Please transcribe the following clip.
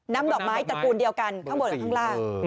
ดอกไม้ตระกูลเดียวกันข้างบนกับข้างล่าง